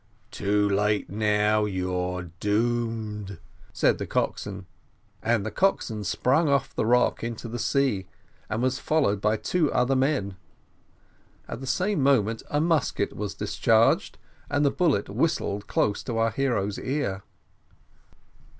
"Too late now you're doomed;" and the coxswain sprang off the rock into the sea, and was followed by two other men: at the same moment a musket was discharged, and the bullet whistled close to our hero's ear.